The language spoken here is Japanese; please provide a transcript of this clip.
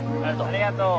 ありがとう。